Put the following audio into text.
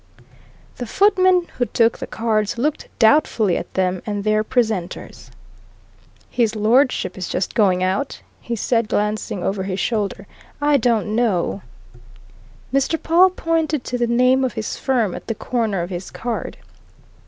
The footman who took the cards looked doubtfully at them and their presenters. "His Lordship is just going out," he said, glancing over his shoulder. "I don't know " Mr. Pawle pointed to the name of his firm at the corner of his card.